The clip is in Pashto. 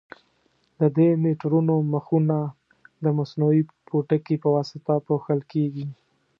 د دې میټرونو مخونه د مصنوعي پوټکي په واسطه پوښل کېږي.